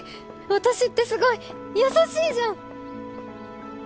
私ってすごい優しいじゃん！